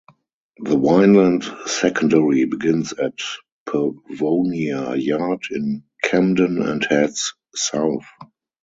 The Vineland Secondary begins at Pavonia Yard in Camden and heads south.